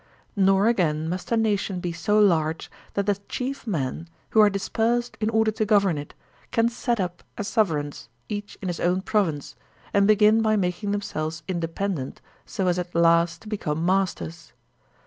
Nor again must a nation be so large that the chief men, who are dis persed in order to govern it, can set up as sovereigns, each in his own province, and begin by making them selves independent so as at last to become masters.